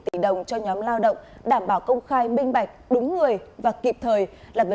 xin chào và hẹn gặp lại